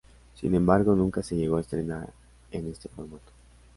Sin embargo, nunca se llegó a estrenar en este formato.